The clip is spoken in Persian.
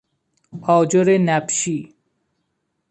آجر نبشی